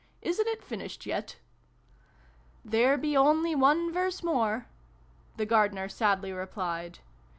" Isn't it finished yet ?"" There be only one verse more," the Gar dener sadly replied.